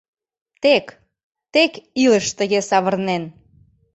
Тек, тек илыш тыге савырнен.